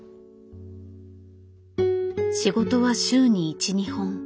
仕事は週に１２本。